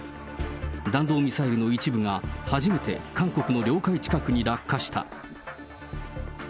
弾道ミサイルの一部が初めて韓国の領海近くに落下した。